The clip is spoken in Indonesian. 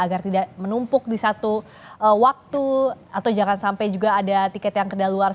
agar tidak menumpuk di satu waktu atau jangan sampai juga ada tiket yang kedaluar